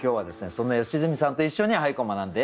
そんな良純さんと一緒に俳句を学んでまいりましょう。